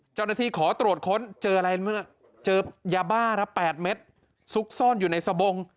เจ้าหน้าที่ขอตรวจค้นเจออะไรเมื่อเจอยาบ้ารับ๘เม็ดซุกซ่อนอยู่ในสบง